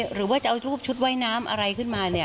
หรือว่าจะเอารูปชุดว่ายน้ำอะไรขึ้นมาเนี่ย